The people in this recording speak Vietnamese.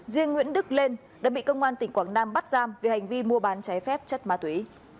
riêng nguyễn đức lên đã bị công an tỉnh quảng nam bắt giam vì hành vi mua bán trái phép chất ma túy